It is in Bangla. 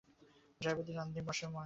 ড্রাইভার তো দিন-রাত বসে-বসেই মায়না খায়।